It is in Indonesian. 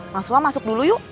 mas wam masuk dulu yuk